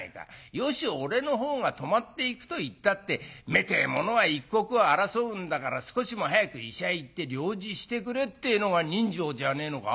よし俺のほうが泊まっていくと言ったって目てえものは一刻を争うんだから少しでも早く医者へ行って療治してくれってえのが人情じゃねえのか。